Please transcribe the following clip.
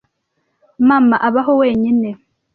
Mama abaho wenyine.